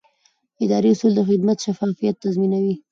اداري اصول د خدمت شفافیت تضمینوي.